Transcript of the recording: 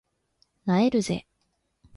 萎えるぜ